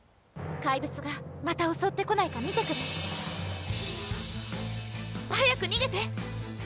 怪物がまたおそってこないか見てくる早くにげて！